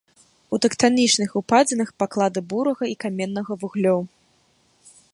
У тэктанічных упадзінах паклады бурага і каменнага вуглёў.